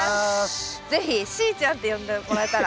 是非しーちゃんって呼んでもらえたら。